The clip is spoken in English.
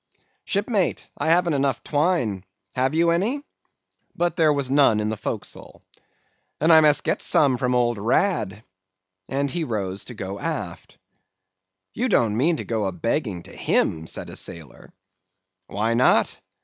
Shipmate, I haven't enough twine,—have you any?' "But there was none in the forecastle. "'Then I must get some from old Rad;' and he rose to go aft. "'You don't mean to go a begging to him!' said a sailor. "'Why not?